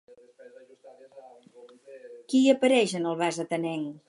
Qui hi apareix en el vas atenenc?